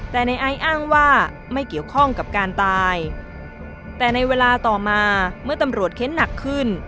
แต่ในไอซ์อ้างว่าไม่เกี่ยวข้องกับการตายแต่ในเวลาต่อมาเมื่อตำรวจเค้นหนักขึ้น